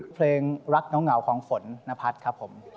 เพลงรักเหงาของฝนนพัฒน์ครับผม